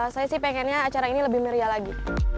saya sih pengennya acara ini lebih meriah lagi